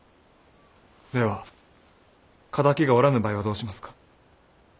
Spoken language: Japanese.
では仇がおらぬ場合はどうしますか？